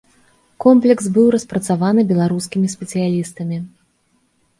Комплекс быў распрацаваны беларускімі спецыялістамі.